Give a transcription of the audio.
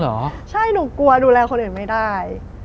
อเรนนี่ใช่นูกลัวดูแลคนอื่นไม่ได้